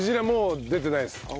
もう出てないです。